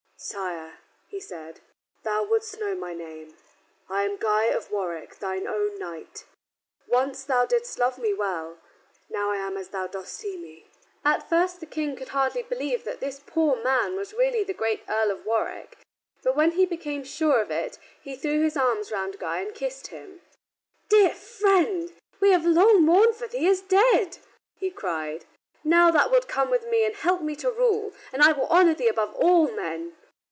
"Sire," he said, "thou wouldst know my name. I am Guy of Warwick, thine own knight. Once thou didst love me well, now I am as thou dost see me." At first the King could hardly believe that this poor man was really the great Earl of Warwick, but when he became sure of it he threw his arms round Guy and kissed him. "Dear friend, we have long mourned for thee as dead," he cried. "Now thou wilt come with me and help me to rule, and I will honor thee above all men."